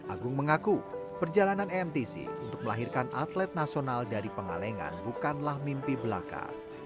agung mengaku perjalanan emtc untuk melahirkan atlet nasional dari pengalengan bukanlah mimpi belaka